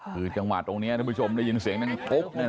คือจังหวะตรงนี้ทุกผู้ชมได้ยินเสียงนั่งก๊อกนะฮะ